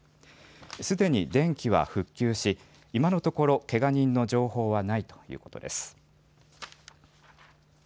すでに電気は復旧し、今のところけが人の情報はないということです。